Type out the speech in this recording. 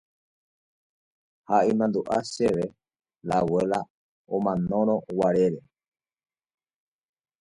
ha imandu'a chéve la abuela omanorãguarére